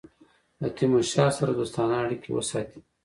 له تیمورشاه سره دوستانه اړېکي وساتي.